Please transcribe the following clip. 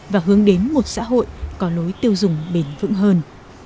và hướng đến một xã hội có lối tiêu dùng bền vững hơn